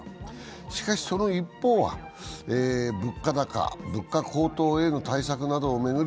しかしその一方、物価高、物価高騰への対策などを巡り